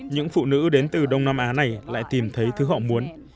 những phụ nữ đến từ đông nam á này lại tìm thấy thứ họ muốn